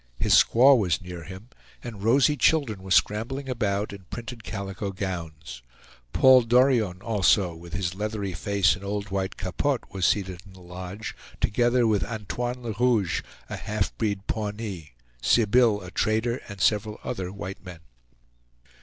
His squaw was near him, and rosy children were scrambling about in printed calico gowns; Paul Dorion also, with his leathery face and old white capote, was seated in the lodge, together with Antoine Le Rouge, a half breed Pawnee, Sibille, a trader, and several other white men.